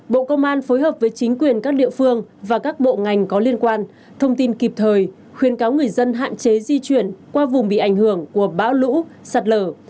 bộ công an phối hợp với chính quyền các địa phương và các bộ ngành có liên quan thông tin kịp thời khuyến cáo người dân hạn chế di chuyển qua vùng bị ảnh hưởng của bão lũ sạt lở